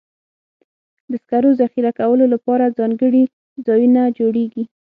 د سکرو ذخیره کولو لپاره ځانګړي ځایونه جوړېږي.